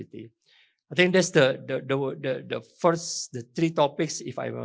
saya pikir itu adalah tiga topik pertama